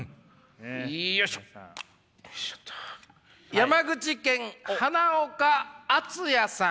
山口県花岡篤哉さん。